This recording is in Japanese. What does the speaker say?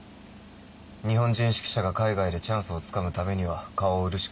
日本人指揮者が海外でチャンスをつかむためには顔を売るしかない。